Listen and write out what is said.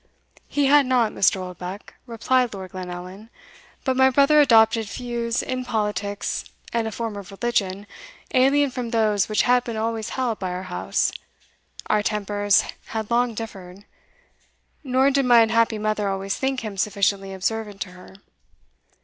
"He had not, Mr. Oldbuck," replied Lord Glenallan; "but my brother adopted views in politics, and a form of religion, alien from those which had been always held by our house. Our tempers had long differed, nor did my unhappy mother always think him sufficiently observant to her.